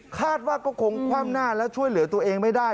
คาดว่าก็คงคว่ำหน้าแล้วช่วยเหลือตัวเองไม่ได้